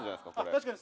確かに。